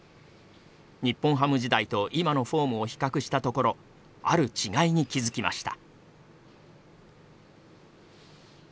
日本ハム時代と今のフォームを比較したところある違いに気付きました。